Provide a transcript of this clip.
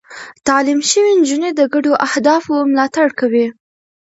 تعليم شوې نجونې د ګډو اهدافو ملاتړ کوي.